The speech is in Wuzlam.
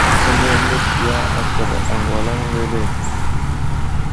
Həhme məgiya aslər agwalaŋ wele ?